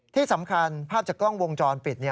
ที่สำคัญภาพจากกล้องวงจรปิด